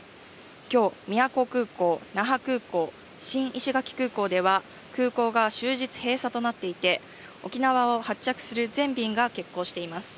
きょう宮古空港、那覇空港、新石垣空港では空港が終日閉鎖となっていて、沖縄を発着する全便が欠航しています。